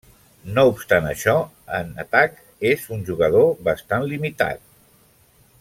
No obstant això, en atac és un jugador bastant limitat.